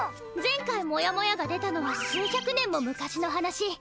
前回モヤモヤが出たのは数百年も昔の話。